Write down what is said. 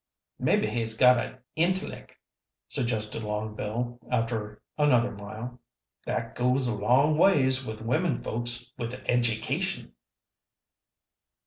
"Mebbe he's got a intellec'," suggested Long Bill, after another mile. "That goes a long ways with women folks with a education."